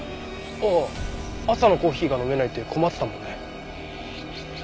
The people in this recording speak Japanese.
ああ朝のコーヒーが飲めないって困ってたもんね。